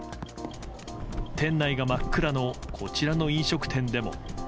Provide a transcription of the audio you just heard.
店内が真っ暗のこちらの飲食店でも。